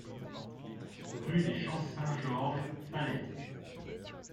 Rue des Champs Saint-Georges, Falaise